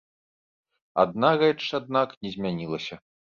Адна рэч, аднак, не змянілася.